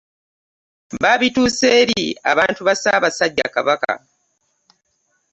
Babituuse eri abantu ba Ssaabasajja Kabaka.